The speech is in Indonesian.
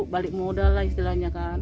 balik modal lah istilahnya kan